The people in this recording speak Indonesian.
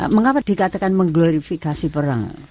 mengapa dikatakan mengglorifikasi perang